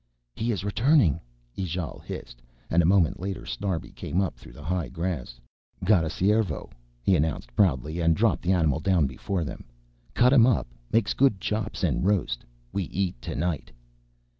"He is returning," Ijale hissed, and a moment later Snarbi came up through the high grass. "Got a cervo," he announced proudly, and dropped the animal down before them. "Cut him up, makes good chops and roast. We eat tonight."